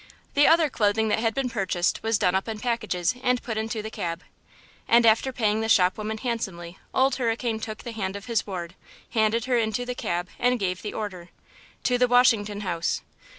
The other clothing that had been purchased was done up in packages and put into the cab. And after paying the shop woman handsomely, Old Hurricane took the hand of his ward, handed her into the cab and gave the order: "To the Washington House."